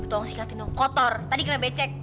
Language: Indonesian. ibu tolong sikapin dong kotor tadi kena becek